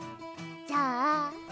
じゃあ。